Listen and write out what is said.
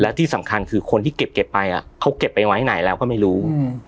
และที่สำคัญคือคนที่เก็บไปเขาเก็บไปไว้ไหนแล้วก็ไม่รู้